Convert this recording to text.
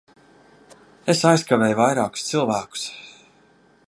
Es aizkavēju vairākus cilvēkus.